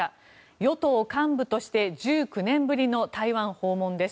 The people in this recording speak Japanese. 与党幹部として１９年ぶりの台湾訪問です。